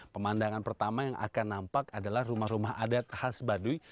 pemandangan pertama yang akan nampak adalah rumah rumah adat khas baduy